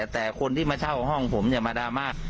แต่คนที่มาเช่าห้องผมอย่ามาดราม่า